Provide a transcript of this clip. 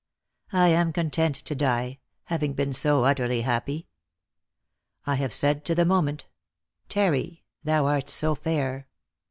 I am con tent to die, having been so utterly happy. I have said to the moment, ' Tarry, thou art so fair